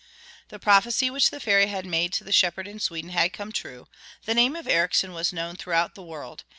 The prophecy which the fairy had made to the shepherd in Sweden had come true, the name of Ericsson was known throughout the world.